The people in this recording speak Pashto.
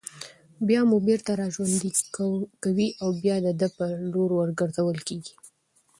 بيا مو بېرته راژوندي كوي او بيا د ده په لور ورگرځول كېږئ